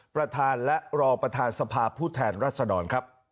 ประธานและรอบประธานสภาพบุทน์รัฐศาดล